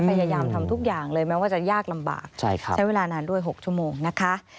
พยายามทำทุกอย่างเลยแม้ว่าจะยากลำบากใช้เวลานานด้วย๖ชั่วโมงนะคะ